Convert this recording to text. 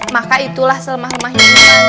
maka itulah selma sema hiburan